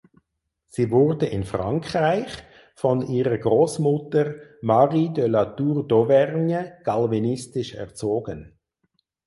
Sie wurde in Frankreich von ihrer Großmutter Marie de la Tour d’Auvergne calvinistisch erzogen.